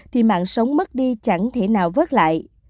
thì mạng sống mất đi chẳng thể nào vớt lại